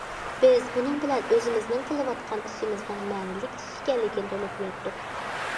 بىز بۇنىڭ بىلەن ئۆزىمىزنىڭ قىلىۋاتقان ئىشىمىزنىڭ مەنىلىك ئىش ئىكەنلىكىنى تونۇپ يەتتۇق.